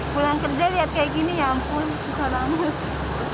pulang kerja lihat kayak gini ya ampun susah banget